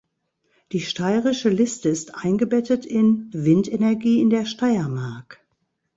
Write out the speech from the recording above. Die steirische Liste ist eingebettet in: Windenergie in der Steiermark.